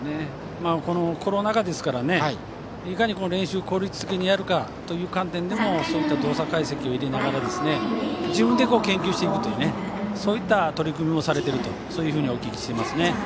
このコロナ禍ですからねいかに練習を効率的にやるかという観点でもそういった動作解析を入れながら自分で研究しているというそういった取り組みをしているとそういうふうにお聞きしています。